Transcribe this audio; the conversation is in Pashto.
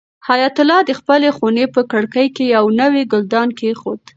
حیات الله د خپلې خونې په کړکۍ کې یو نوی ګلدان کېښود.